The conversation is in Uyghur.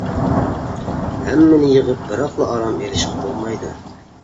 ھەممىنى يىغىپ بىراقلا ئارام ئېلىشقا بولمايدۇ.